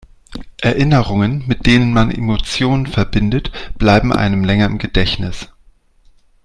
Erinnerungen, mit denen man Emotionen verbindet, bleiben einem länger im Gedächtnis.